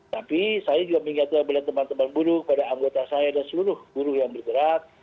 tapi saya juga mengingatkan kepada teman teman buruh kepada anggota saya dan seluruh buruh yang bergerak